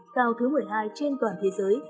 cao thứ một mươi hai trên toàn thế giới